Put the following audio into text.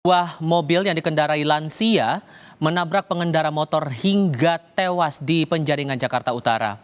sebuah mobil yang dikendarai lansia menabrak pengendara motor hingga tewas di penjaringan jakarta utara